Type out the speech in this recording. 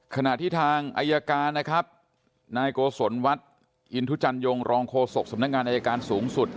ขณะที่ทางอายการนะครับนายโกศลวัดอินทุจันยงรองโฆษกสำนักงานอายการสูงสุด